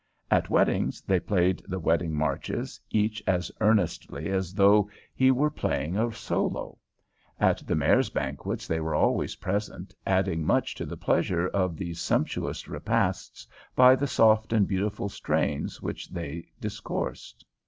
At weddings they played the wedding marches, each as earnestly as though he were playing a solo. At the Mayor's banquets they were always present, adding much to the pleasure of these sumptuous repasts by the soft and beautiful strains which they discoursed.